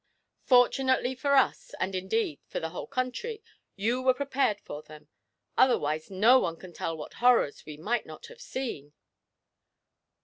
Fortunately for us, and indeed for the whole country, you were prepared for them otherwise no one can tell what horrors we might not have seen.'